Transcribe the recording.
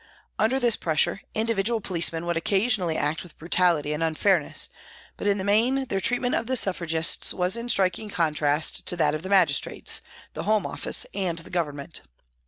Under this pressure, individual policemen would occasionally act with brutality and unfairness, but in the main their treatment of Suffragists was in striking con trast to that of the magistrates, the Home Office and the Government.